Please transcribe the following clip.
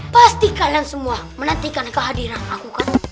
pasti kalian semua menantikan kehadiran aku